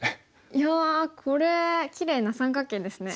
いやこれきれいな三角形ですね。